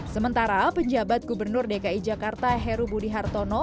sementara penjabat gubernur dki jakarta heru budi hartono